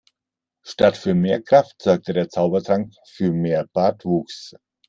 Statt für mehr Kraft sorgte der Zaubertrank für mehr Bartwuchs.